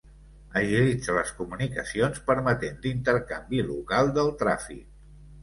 Agilitza les comunicacions permetent l'intercanvi local del tràfic.